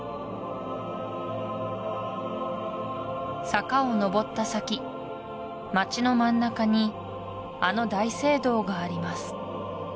坂を上った先街の真ん中にあの大聖堂があります